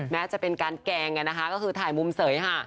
แม้จะเป็นการแกล้งกันนะคะก็คือถ่ายมุมเสยค่ะ